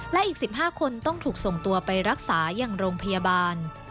และอีก๑๕คนต้องถูกส่งตัวไปรักษายังโรงพยาบาล